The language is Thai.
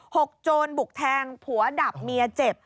กโจรบุกแทงผัวดับเมียเจ็บ